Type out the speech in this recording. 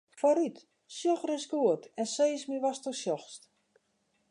Foarút, sjoch ris goed en sis my watsto sjochst.